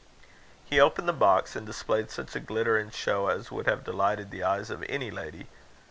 He opened the box, and displayed such a glitter and show as would have delighted the eyes of any lady.